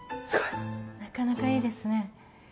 なかなかいいですね。